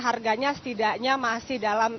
harganya setidaknya masih dalam